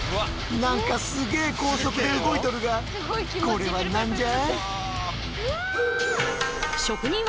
何かすげえ高速で動いとるがこれは何じゃ？